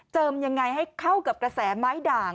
ยังไงให้เข้ากับกระแสไม้ด่าง